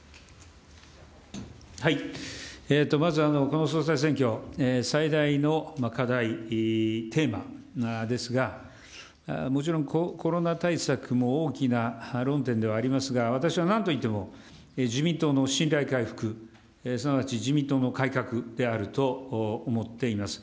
まず、この総裁選挙最大の課題、テーマですが、もちろんコロナ対策も大きな論点ではありますが、私はなんといっても、自民党の信頼回復、すなわち自民党の改革であると思っています。